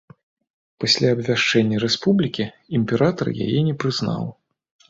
Пасля абвяшчэння рэспублікі імператар яе не прызнаў.